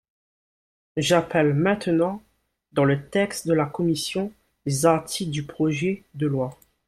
J’appelle maintenant, dans le texte de la commission, les articles du projet de loi.